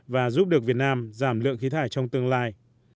và giúp được việt nam giảm lượng khí thải trong tương lai